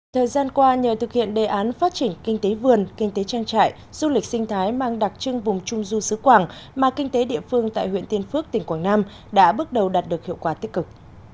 thời gian qua nhờ thực hiện đề án phát triển kinh tế vườn kinh tế trang trại du lịch sinh thái mang đặc trưng vùng trung du sứ quảng mà kinh tế địa phương tại huyện tiên phước tỉnh quảng nam đã bước đầu đạt được hiệu quả tích cực